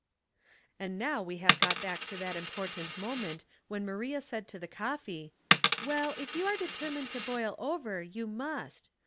" And now we have got back to that important moment when Maria said to the coffee, " Well, if you are determined to boil over, you must.